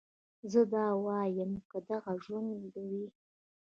زه دا واييم که دغه ژوند وي